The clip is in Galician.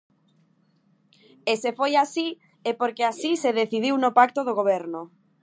E se foi así, é porque así se decidiu no pacto de goberno.